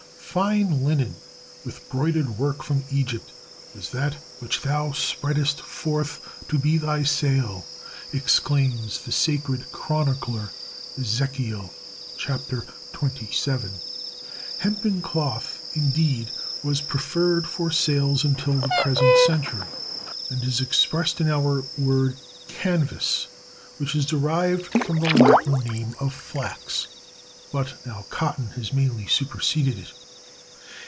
"Fine linen with broidered work from Egypt was that which thou spreadest forth to be thy sail," exclaims the sacred chronicler (Ezekiel xxvii. 7). Hempen cloth, indeed, was preferred for sails until the present century, as is expressed in our word canvas, which is derived from the Latin name of flax; but now cotton has mainly superseded it.